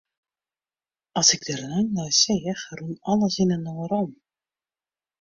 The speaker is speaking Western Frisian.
As ik der lang nei seach, rûn alles yninoar om.